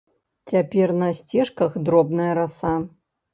Цяпер на сцежках дробная раса.